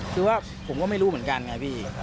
คือว่าผมก็ไม่รู้เหมือนกันไงพี่